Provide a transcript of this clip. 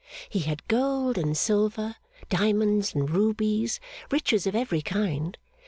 He had gold and silver, diamonds and rubies, riches of every kind.